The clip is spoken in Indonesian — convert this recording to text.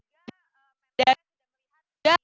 dan juga jalan veteran iii di depan jalan medan merdeka abang